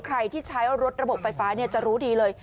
ใครที่ใช้รถระบบไฟฟ้าจะรู้ดีเลย